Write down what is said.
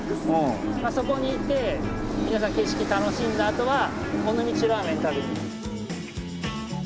そこに行って皆さん景色楽しんだあとは尾道ラーメン食べに。